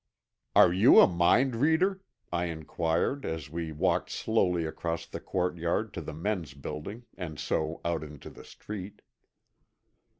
"Are you a mind reader?" I inquired as we walked slowly across the courtyard to the men's building and so out into the street.